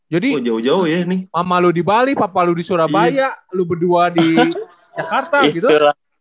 jadi mama lu di bali papa lu di surabaya lu berdua di jakarta gitu